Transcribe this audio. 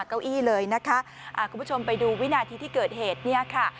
เก้าอี้เลยนะคะอ่าคุณผู้ชมไปดูวินาทีที่เกิดเหตุเนี่ยค่ะ